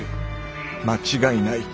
間違いない。